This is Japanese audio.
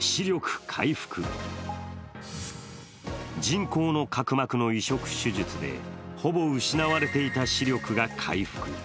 人工の角膜の移植手術でほぼ失われていた視力が回復。